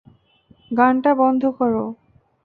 গানটা বন্ধ করো।